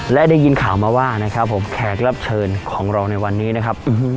และได้ยินข่าวมาว่านะครับผมแขกรับเชิญของเราในวันนี้นะครับ